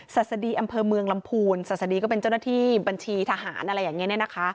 ศัษฎีอำเภอเมืองลำพูนศาสดีก็เป็นเจ้าหน้าที่บัญชีทหารอะไรอย่างนี้เนี่ยนะคะ